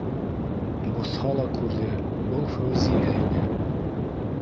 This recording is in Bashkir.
Боҫһа ла күрҙе: был Фәүзиә ине.